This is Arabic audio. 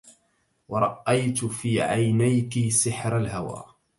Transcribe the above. رأيت في عينيك سحر الهوى